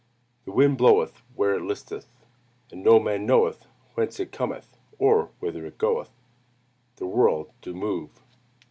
"The wind bloweth where it listeth, and no man knoweth whence it cometh, or whither it goeth." "The world do move."